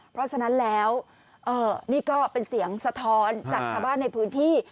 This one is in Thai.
เพราะฉะนั้นแล้วนี่ก็เป็นเสียงสะท้อนจากชาวบ้านในพื้นที่